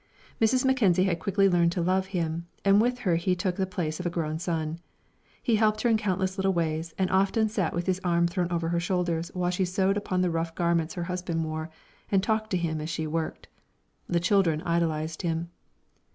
Mrs. Mackenzie had quickly learned to love him, and with her he took the place of a grown son. He helped her in countless little ways, and often sat with his arm thrown over her shoulders while she sewed upon the rough garments her husband wore, and talked to him as she worked. The children idolised him.